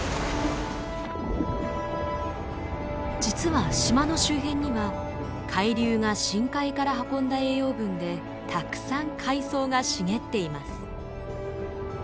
実は島の周辺には海流が深海から運んだ栄養分でたくさん海藻が茂っています。